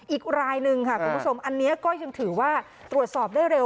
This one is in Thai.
อีกรายหนึ่งค่ะคุณผู้ชมอันนี้ก็ยังถือว่าตรวจสอบได้เร็ว